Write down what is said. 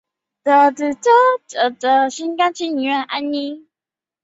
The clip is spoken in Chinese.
本鱼胸鳍发育完全。